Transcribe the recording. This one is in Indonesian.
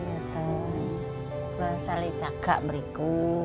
di tali jaga mereka